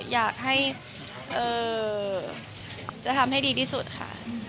พยายามค่ะก็อยากให้จะทำให้ดีที่สุดค่ะ